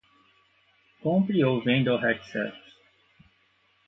Compre ou venda o headset